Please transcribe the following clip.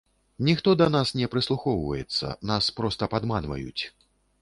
Ніхто да нас не прыслухваецца, нас проста падманваюць.